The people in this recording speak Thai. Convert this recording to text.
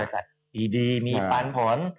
บริษัทดีดีมีปันผล